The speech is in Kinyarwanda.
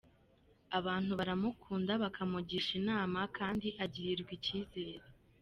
Abantu baramukunda, bakamugisha inama kandi agirirwa icyizere.